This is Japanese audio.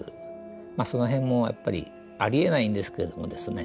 その辺もやっぱりありえないんですけどもですね